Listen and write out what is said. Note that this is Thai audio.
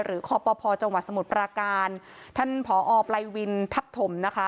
หรือคปพจังหวัดสมุทรประการท่านพอปลายวินทัพถม